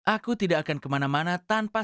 aku tidak akan kemana mana tanpa